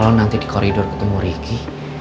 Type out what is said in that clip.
kalau nanti di koridor ketemu ricky